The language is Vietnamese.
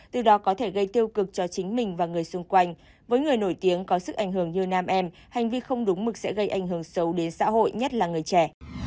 từ đó có thể gây tiêu cực cho chính mình và người xung quanh với người nổi tiếng có sức ảnh hưởng như nam em hành vi không đúng mực sẽ gây ảnh hưởng xấu đến xã hội nhất là người trẻ